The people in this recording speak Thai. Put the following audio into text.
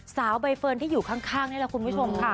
สาวใบเฟิร์นที่อยู่ข้างนี่แหละคุณผู้ชมค่ะ